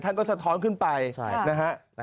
ท่านก็สะท้อนขึ้นไปนะฮะ